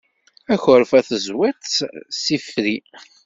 Akerfa tezwiḍ-t s ifri.